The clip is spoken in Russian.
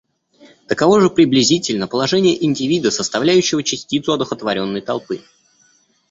Таково же приблизительно положение индивида, составляющего частицу одухотворенной толпы.